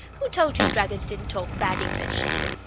Who told you dragons didn't talk bad English?